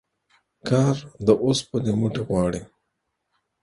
کار د اوسپني موټي غواړي